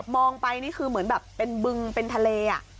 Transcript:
มองไปนี่คือเหมือนแบบเป็นบึงเป็นทะเล